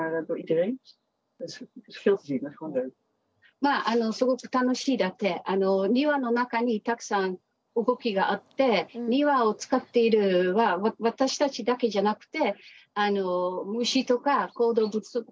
まあすごく楽しいだって庭の中にたくさん動きがあって庭を使っているのは私たちだけじゃなくてあの虫とか動物とかも使っていますね。